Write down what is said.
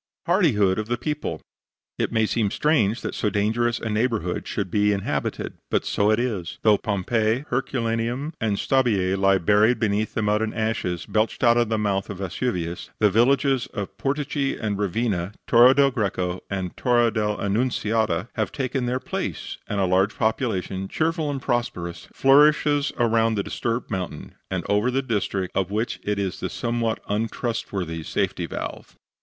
HARDIHOOD OF THE PEOPLE It may seem strange that so dangerous a neighborhood should be inhabited. But so it is. Though Pompeii, Herculaneum and Stabiae lie buried beneath the mud and ashes belched out of the mouth of Vesuvius, the villages of Portici and Revina, Torre del Greco and Torre del Annunziata have taken their place, and a large population, cheerful and prosperous, flourishes around the disturbed mountain and over the district of which it is the somewhat untrustworthy safety valve.